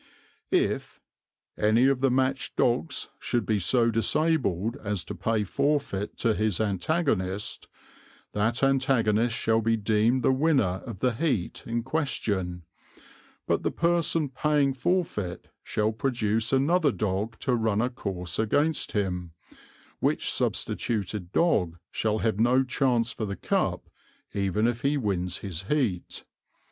If "any of the matched dogs should be so disabled as to pay forfeit to his antagonist, that antagonist shall be deemed the winner of the heat in question, but the person paying forfeit shall produce another dog to run a course against him, which substituted dog shall have no chance for the cup even if he wins his heat.